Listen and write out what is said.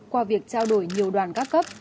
qua việc trao đổi nhiều đoàn các cấp